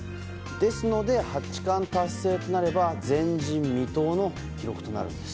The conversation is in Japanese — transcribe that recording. ですので八冠達成となれば前人未到の記録となるんです。